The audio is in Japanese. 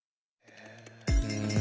うん。